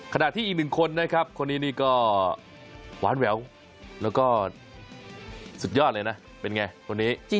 ขณะที่อีกหนึ่งคนนะครับคนนี้นี่ก็หวานแหววแล้วก็สุดยอดเลยนะเป็นไงคนนี้